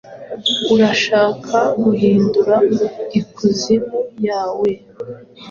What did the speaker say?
Urashaka guhindura ikuzimu yawe?